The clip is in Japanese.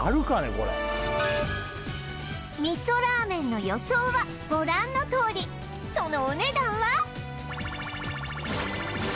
これ味噌ラーメンの予想はご覧のとおりそのお値段は？